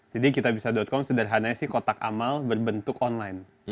jadi kitabisa com sederhananya kotak amal berbentuk online